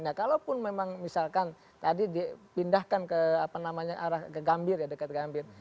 nah kalaupun memang misalkan tadi dipindahkan ke apa namanya arah ke gambir ya dekat gambir